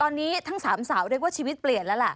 ตอนนี้ทั้งสามสาวเรียกว่าชีวิตเปลี่ยนแล้วแหละ